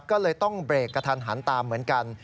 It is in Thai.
ก็เลยต้องเบรกกระทันหันตามเหมือนกัน